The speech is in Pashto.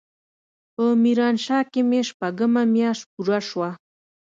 په ميرانشاه کښې مې شپږمه مياشت پوره سوه.